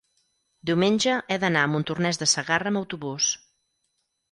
diumenge he d'anar a Montornès de Segarra amb autobús.